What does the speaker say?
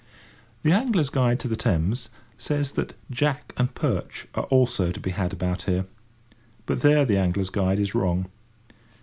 The Angler's Guide to the Thames says that "jack and perch are also to be had about here," but there the Angler's Guide is wrong.